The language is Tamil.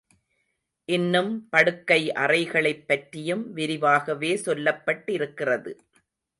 இன்னும் படுக்கை அறைகளைப் பற்றியும் விரிவாகவே சொல்லப்பட்டிருக்கிறது.